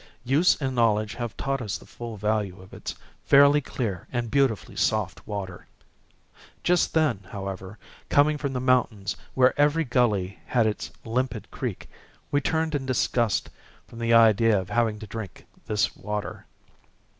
Use and knowledge have taught us the full value of its fairly clear and beautifully soft water. Just then, however, coming from the mountains where every gully had its limpid creek, we turned in disgust from the idea of having to drink this water.